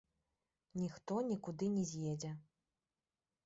Ніхто нікуды не з'едзе.